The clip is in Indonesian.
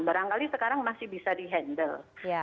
barangkali sekarang masih bisa di handle